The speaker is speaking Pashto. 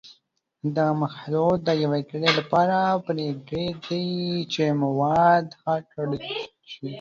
دغه مخلوط د یوې ګړۍ لپاره پرېږدئ چې مواد ښه ګډ شي.